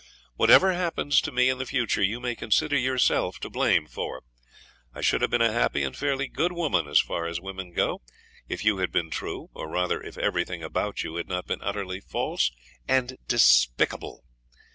Whatever happens to me in the future you may consider yourself to blame for. I should have been a happy and fairly good woman, as far as women go, if you had been true, or rather if everything about you had not been utterly false and despicable.